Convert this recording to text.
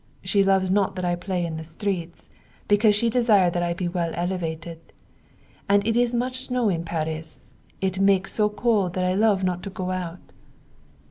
She loves not that I play in the streets, because she desire that I be well elevated . And it is much snow in Paris; it make so cold that I love not to go out.